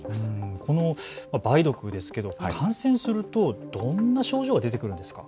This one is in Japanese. この梅毒ですけれども感染するとどんな症状が出てくるんですか。